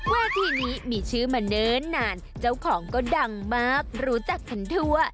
เวทีนี้มีชื่อมาเนิ่นนานเจ้าของก็ดังมากรู้จักกันทั่ว